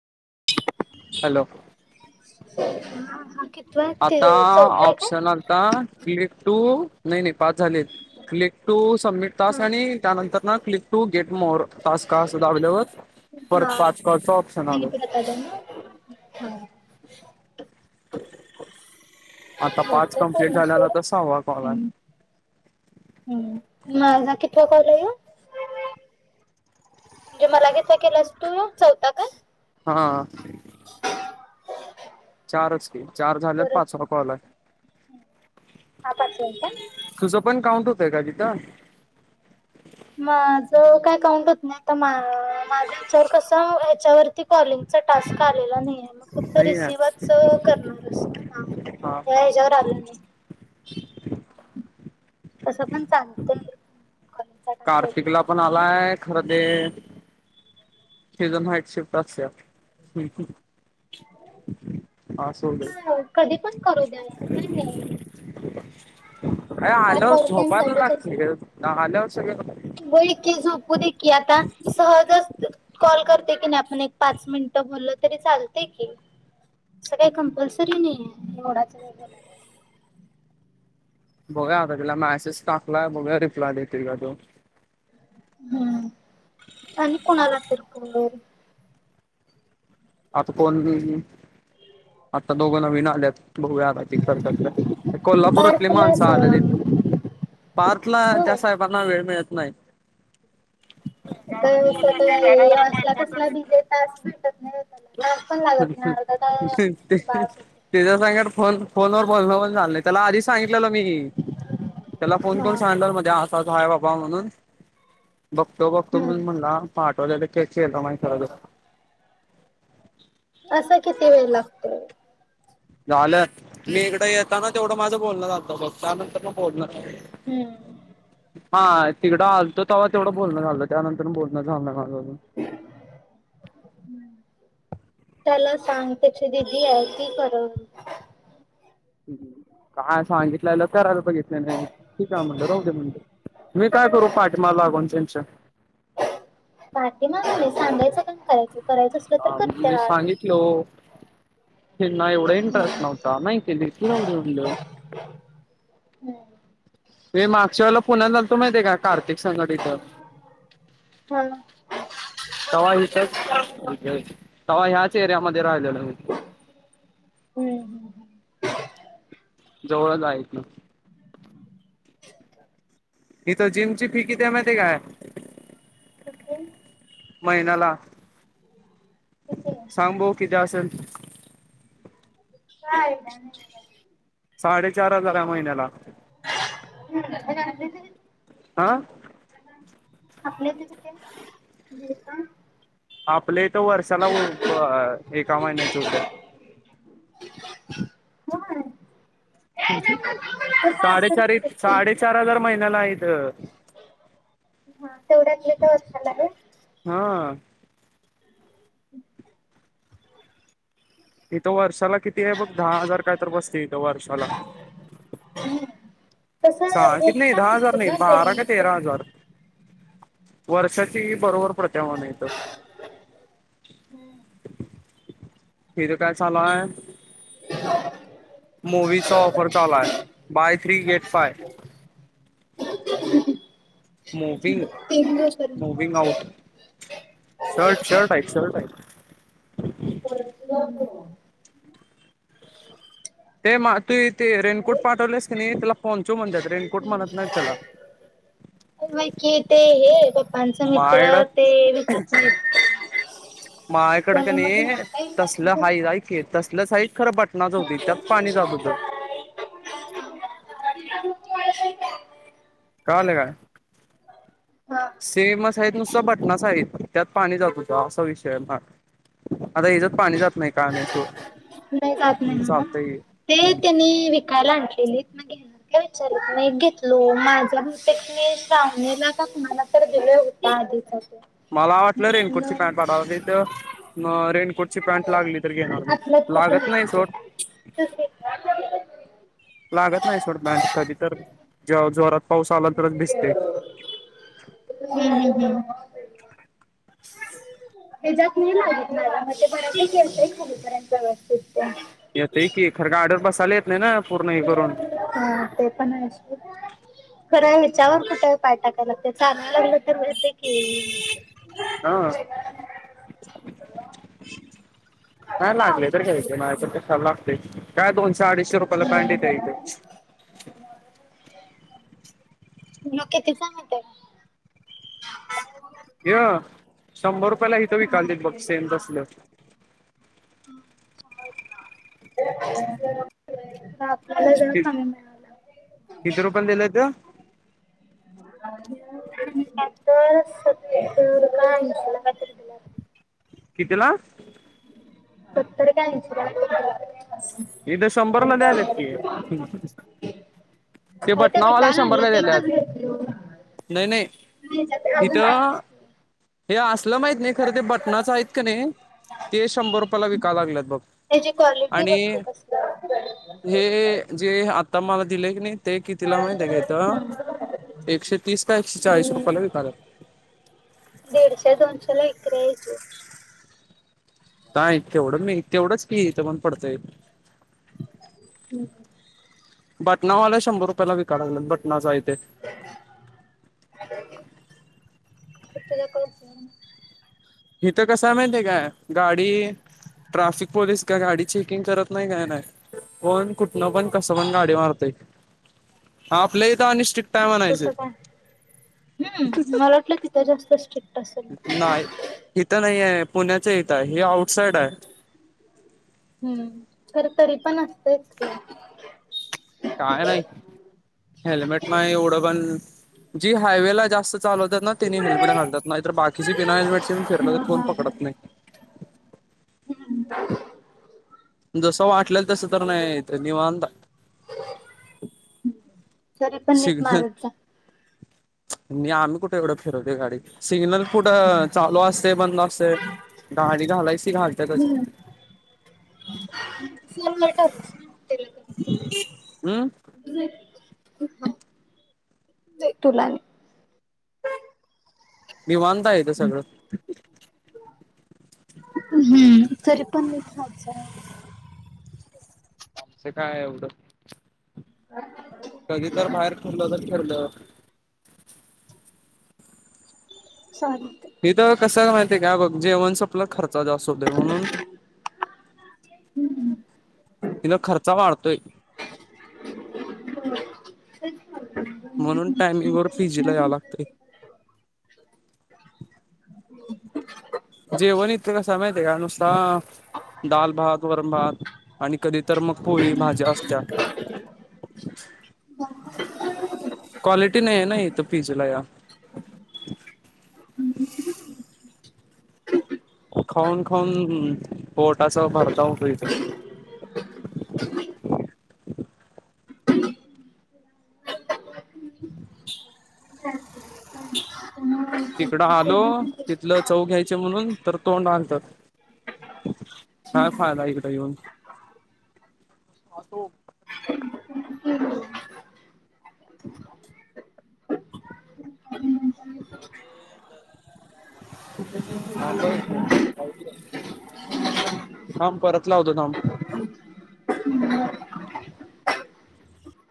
Hello! हा हा की- आता ऑप्शनल ता क्लिक टू नाही नाही पास झालेय क्लिक टू सबमिट तास हा आणि त्यानंतर click to get more task असतो अवेलेबल परत पाच कॉल च ऑप्शन आलं. ? [inaudible] [inaudible] आता पाच होतंय कम्प्लेंट पूर्ण झाल्यात सोड आता सहवा कॉल. हम्म, हम्म माझा कितवा कॉल आह तो. म्हणजे मला कितवा केलास तू चौथा. हा चारच असतील चार झाले परत पाचवा कॉल आहे. हा पाचवा आहे का तुझं पण काउंट होतय का तिथं. माझ काय काउंट होत नाही आता माझं ह्यांच्यावर कस यांच्यावर कॉलिंगचा टास्क आलेला नाही आहे, मग फक्त नाही आहे रिसिव्हच करणार असतील. हा हा ह ह्याच्यावर आलेला नाही. तसं पण चालतंय. कॉलिंगचा टास्क कार्तिक पाहिजे ला तसं पण काही नाही आलाय खरं ते तीझ हाईट शिफ्ट असते. हम्म हम्म हं कधी पण करू द्या असं काही नाही. अरं ऍप आल्यावरत ऑल टाइम झोपायला चालूच असतं. लागते आल्यावर सगळं होय की झोपू दे की आता, सहजच कॉल करते की नाही आपण- पण एक पाच मिनिटं बोललं तरी चालते की, असं काही कंपल्सरी नाही आहे. थोडाच वेळ करणार. बघूया आता तिला मॅसेज टाकलाय, बघूया रिप्लाय देते का तो. हं आणि कोणाला तर बोलवं. आता कोण बी आता दोघं नवीन आल्यात बघू आता. अ ती करतात काय बार कोल्हापुरातली तुला माणसं आल्यात इथं, सांग पार्कला त्या होय साहेब पप्पानां वेळ मिळत नाही. काय असं काय ह्यो असला- कसला बिजी तास भेटंत नाही व्हय. बास [unintelligible] होते. तेज्या संगट फोन फोनवर बोलणं पण झालंय त्याला आधी सांगिटल्यालो मी. त्याला फोन हा करून सांगितलवर म्हणतंय, अस-अस हाय बाबा म्हणून बघतो -बघतो हम्म म्हणून म्हणला. पाठवल्या ते केक ची एक्झांम हाय करायचं होतं. असं किती वेळ लागतोय. झालं मी इकडं येताना तेवढं माझं बोलणं झालतं बघ त्यानंतरनं बोलणं नाही. हूं... हा तिकडं आलतो तेवा तेवढं बोलणं झालतं त्यानंतर बोलणं झालं नाही माझं अजून. [inaudible] त्याला सांग, त्याची दिदी हाय ती करल. ह. ह. काय सांगितल्यालं करायला पाहिजेत. ते नाही ठीक आहे म्हटलं, राहू दे म्हटलं, मी काय करू पाठी मागं लागून त्यांच्या. पाठीमागं नाही सांगायचं काम करायचं, करायचं अस हा मी सांगितलं हो, त्यांना हम्म इंटरेस्ट नव्हता. ता नाही केलीस की, राहू दे म्हटलं. मी मागच्या वळेला पुण्यात आलतो माहित्या काय कार्तिक संघट इथं हा तवा हितंच ह्याच एरियामध्ये राहिलेलो मी. हूं.. हू जवळच हाय इथं. [inaudible] इथं जिमची फी किती आहे माहिती आहे काय? कती महिन्याला किती सांग बघू किती असल. काय एकाय नाही मी काय. साडेचार हजार आहे महिन्याला. [unintelligible] आ आपल्या इथं किती हाय? आपल्या हिथं वर्षाला ब एका महिन्याची होत्या. [unintelligible] होय. हु. हू. ते सासरी साडेचारी किती साडेचार हजार महिन्याला आहे इथं. हा तेवढ्यातले तर वर्षाला आहे. हं... [unintelligible] इथं वर्षाला किती हाय बघ, दहा हजार काय तर बसत्या इथं वर्षाला. हो. सहा, किती नाही, दहा हजार नाही, ते बारा का तेरा हजार. वर्षाची बरोबर पडत्या म्हणं इथं. हुं... तिज काय चालू हाय. मोवीचा ऑफर चालू आहे, buy three get five. [inaudible] Mowing तीन लोक मोविंग आउट शर्ट, शर्ट हाय शर्ट हाय. [inaudible] ते तू ते रेनकोट पाठवलेस की नाही त्याला पाँचू म्हणतात रेनकोट म्हणत नाही त्याला. बाकी ते हे पप्पांच मित्र मायडा ते व [unintelligible] मायकड का मग नाही घरात विचारून तसलं हाई घेतलं. ऐक‌ तसल्या साईज खरं बटनाच होत त्यात पाणी जात होतं. कळालं काय? हां. सेमस आहेत नुसत बटनास आहेत त्यात पाणी जात होतं, असा विषय म आता हेच्यात पाणी जात नाही का नाही सोड. नाही जात नाही म्हणून चालतंय हे. ते हम्म त्यांनी विकायला आणलेली काय विचारत नाही घेतलो माझ्या बहूतेक मी श्रावणी ला का कुणाला तर दिलोय हो. [inaudible] म रेनकोटची पॅन्ट लागली तर घेणार मी आपल्यात लागत कुठं नाही आहे सोड. [inaudible] लागत नाही सोडं पॅन्ट कधी तर, जेव्हा जोरात पाऊस आला तरच भिजतय. हम्म हम् हम्. [inaudible] त्याच्यात नाही लागत मला मग ते बराच खालीकरा [unintelligible] येत की खर गाडी वर बसायला येत नाही ना पूर्ण हे करून. हा ते पण हाय च की. खरा हेच्यावर कुठं पाय टाकाय लागत्यात ते चांगला तर होतंय की. हा. नाहीय लागले तर पावसाळ्यात घ्यायचे नाही तर कशाला लागते, काय दोनशे अडीचशे रुपयाला पॅन्ट येते इथे. मग किती चा [unintelligible] य शंभर रुपयाला इथं विकालती बघ सेम तसलं ‌. [unintelligible] कमी मिळाला किती रुपये ला दिले तो? सत्तार काय ‌ऐशीं ला कायतरी? कितीला? सत्तार काय ऐंशी ला इथं शंभरला द्यायलेत की [unintelligible] [unintelligible] ते अरे ती बटनावाला विकायला आणली शंभरला आहेत ते दिल्यात कसे घेतील? नाही नाही हिथं की हे असलं माहित नाही खरं ते बटनाचं आहेत का नाही ते, शंभर रुपयाला विकाय लागलेत बघ. कॉलिटी आणि बघत्यात असं. हे जे आता मला दिलंय की नी ते कितीला माहित हाय का हिंथं एकशे तीस काय एकशे चाळीसे हम्म. रुपयाला विकायल्यात. दीडशे दोनश्याला विक्री हाय हेची. काय तेवढं मी तेवढंच की इथं पण पडतंय. हम्. बटनावाला शंभर रुपयाला विकाय लागल्यात बटनाचा इथे. [unintelligible] हिथं कसंय माहितीय काय गाडी ट्राफिक पोलीस काय गाडी चेकिंग करत नाही काय नाही. कोण कुठनं पण कस पण गाडी मारतय आपल्या इथ आणि स्ट्रि अस कस काय हम्म मला वाटल तिथं जास्त स्ट्रिक नाही इथं नाही आहे पुण्याच इथंय हे आउटसाइड आहे. हम्म खर तरी पण असतंयच की. काय नाही. हेल्मेट नाही एवढं पण जी हायवेला जास्त चालवत्यात ना तेनी हेल्मेट घालतात नाही तर बाकीची बिना हेल्मेटच पण फिरल तरी कोण पकडत नाही. हम्म. जसं वाटलेल तस तर नाही इथे निवांतय. तरी पण नीट मारत जा. मी आम्ही कुठे एवढं फिरवतो गाडी. सिग्नल कुठं चालू असतय, बंद असतय गाडी घालायची ती घालतेतच. [unintelligible] अं? तुला नाय. निवांत आहे इथ सगळं. हम्म तरी पण नीट राहत जा. अस काय एवढं? [inaudible] कधी तर बाहेर फिरल तर फिरल. सॉरी. हिथ कस माहितीय काय बघ जेवण सपल खर्च जास्त होतोय म्हणून. हम्म. तिन खर्चा वाढतोय. [unintelligible] म्हणून टायमिंग वर पिजीला यावं लागतंय. जेवण हित कसय माहितीय काय नुसता दाल भात, वरण भात आणि कधी तर मग पोळी भाज्या असत्या. क्वालिटी नाहीये ना इथ पिजीला या खाऊन खाऊन पोट अस भरता उकळीतय. [unintelligible] तिथल चव घ्यायचे म्हणून तर तोंड आलत. हा फायदा इकड येऊन? [inaudible] थांब हा एक मिनिट [unintelligible] थांब परत लावतो थांब.